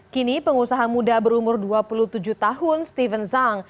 kini pengusaha muda berumur dua puluh tujuh tahun stephen zhang